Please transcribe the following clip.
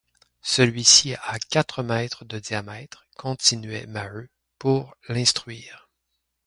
Celui-ci a quatre mètres de diamètre, continuait Maheu, pour l’instruire.